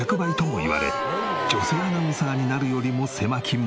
女性アナウンサーになるよりも狭き門。